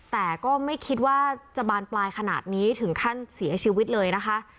แต่ก็ไม่คิดว่าจะบานปลายขนาดนี้ถึงขั้นเสียชีวิตเลยนะคะ